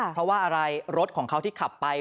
เพราะว่าอะไรรถของเขาที่ขับไป